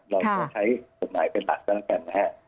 เราจะใช้กฎหมายเป็นหลักแล้วกันนะครับ